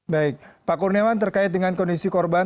baik pak kurniawan terkait dengan kondisi korban